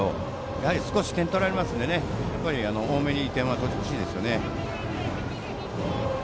やはり少し点を取られますので多めに点は欲しいですよね。